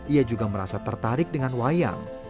ia juga merasa tertarik dengan wayang